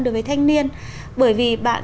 đối với thanh niên bởi vì bạn